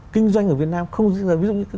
kinh doanh ở việt nam ví dụ như